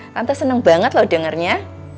tante senang banget loh dengernya